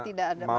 tidak ada masalah